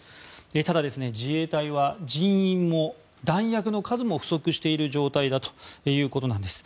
ただ、自衛隊は人員も弾薬の数も不足している状態だということです。